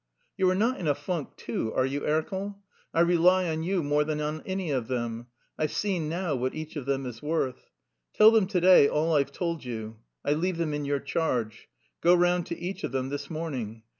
"You are not in a funk too, are you, Erkel? I rely on you more than on any of them. I've seen now what each of them is worth. Tell them to day all I've told you. I leave them in your charge. Go round to each of them this morning.